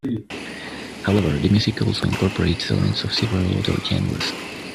However, the music also incorporates elements of several other genres.